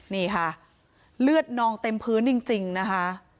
นี่ค่ะเลือดนองเต็มพื้นจริงนะคะ